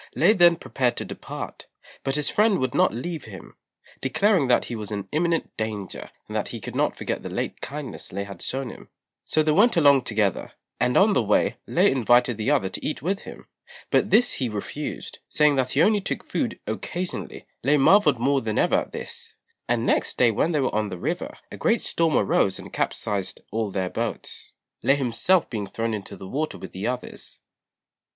Lê then prepared to depart; but his friend would not leave him, declaring that he was in imminent danger, and that he could not forget the late kindness Lê had shewn him. So they went along together, and on the way Lê invited the other to eat with him; but this he refused, saying that he only took food occasionally. Lê marvelled more than ever at this; and next day when they were on the river a great storm arose and capsized all their boats, Lê himself being thrown into the water with the others.